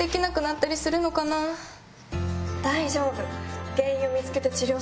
大丈夫！